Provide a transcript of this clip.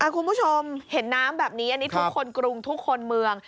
คุณผู้ชมเห็นน้ำแบบนี้อันนี้ทุกคนกรุงทุกคนเมือง